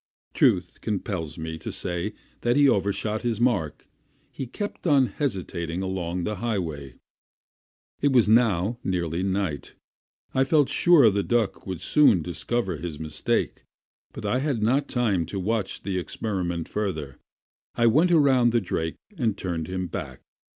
Truth compels me to say that he overshot the mark: he kept on hesitatingly along the highway. It was now nearly night. I felt sure the duck would soon discover his mistake, but I had not time to watch the experiment further. I went around the drake and turned him back.